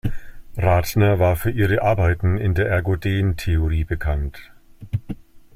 Ratner war für ihre Arbeiten in der Ergodentheorie bekannt.